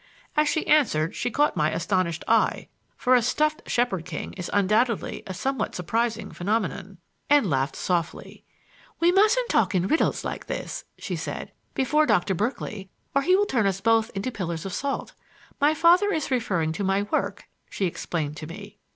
As she answered she caught my astonished eye (for a stuffed Shepherd King is undoubtedly a somewhat surprising phenomenon) and laughed softly. "We mustn't talk in riddles like this," she said, "before Doctor Berkeley, or he will turn us both into pillars of salt. My father is referring to my work," she explained to me.